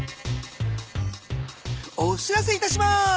お知らせいたします。